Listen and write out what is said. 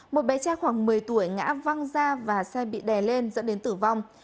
một bé tra khoảng một mươi tuổi ngã văng ra và xe bị đè lên dẫn đến tử vong